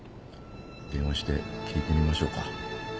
電話して聞いてみましょうか？